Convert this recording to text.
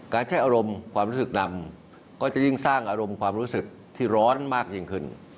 ใช้อารมณ์ความรู้สึกนำก็จะยิ่งสร้างอารมณ์ความรู้สึกที่ร้อนมากยิ่งขึ้น